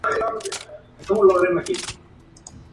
Gijón Asturias.